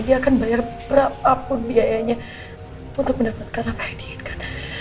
dia akan bayar berapapun biayanya untuk mendapatkan apa yang diinginkan